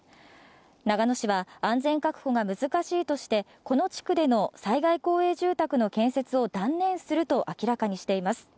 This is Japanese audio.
長野市は安全確保が難しいとして、この地区での災害公営住宅の建設を断念すると明らかにしています。